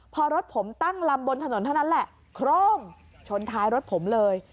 พอรถผมตั้งลำบนถนนเท่านั้นแหละโครงชนท้ายรถผมเลย